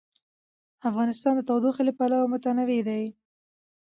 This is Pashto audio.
افغانستان د تودوخه له پلوه متنوع دی.